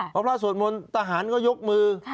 พอพระสวดมนต์ทหารก็ยกมือ